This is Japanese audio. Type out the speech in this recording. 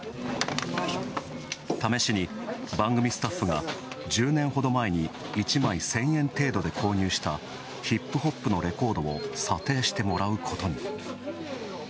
試しに番組スタッフが１０年ほど前に１枚１０００円程度で購入したヒップホップのレコードを査定してもらうことに。